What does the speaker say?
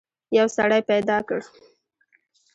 یو سړی پیدا کړ.